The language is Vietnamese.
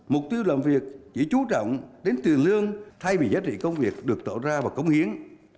mục tiêu làm việc chỉ trú trọng đến tiền lương thay vì giá trị công việc được tạo ra và cống hiến